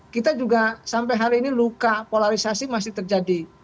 kita juga sampai hari ini luka polarisasi masih terjadi